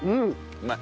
うまい！